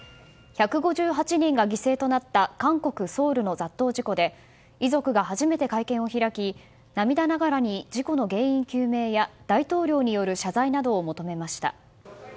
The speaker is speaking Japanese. １５８人が犠牲となった韓国ソウルの雑踏事故で遺族が初めて会見を開き涙ながらに事故の原因究明や大統領による謝罪などを求めました。